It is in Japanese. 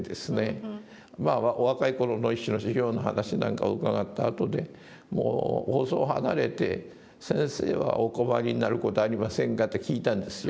まあお若い頃の一種の修行の話なんかを伺った後でもう放送離れて「先生はお困りになる事はありませんか」って聞いたんですよ。